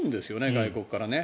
外国からね。